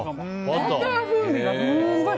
バターの風味がすごい。